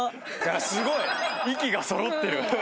すごい！息が揃ってる。